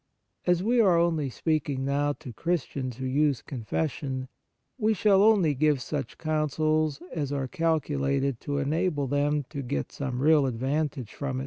As we are only speaking now to Christians who use confession, we shall only give such counsels as are calculated to enable them to get some real advantage from it.